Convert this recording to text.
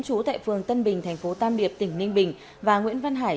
chú tại phường tân bình thành phố tam điệp tỉnh ninh bình và nguyễn văn hải